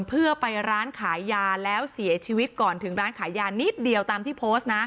เพื่อไปร้านขายยาแล้วเสียชีวิตก่อนถึงร้านขายยานิดเดียวตามที่โพสต์นะ